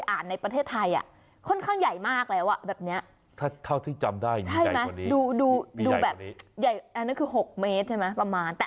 อันนั้นคือ๖เมตรที่เจอในบางนา